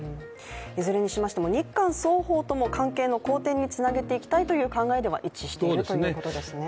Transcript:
いずれにしましても日韓双方とも関係の好転につなげていきたいという考えでは一致しているということですね。